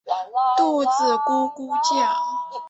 肚子咕噜咕噜叫